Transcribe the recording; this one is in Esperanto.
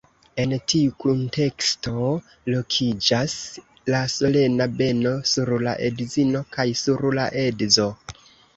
En tiu kunteksto lokiĝas la solena beno sur la edzino kaj sur la edzo.